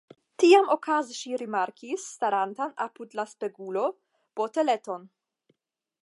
Tiam okaze ŝi rimarkis, starantan apud la spegulo, boteleton.